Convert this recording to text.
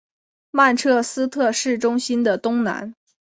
曼彻斯特市中心的东南。